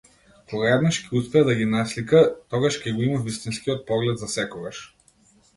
Кога еднаш ќе успее да ги наслика, тогаш ќе го има вистинскиот поглед засекогаш.